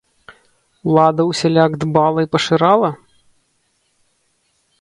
Улада ўсяляк дбала і пашырала?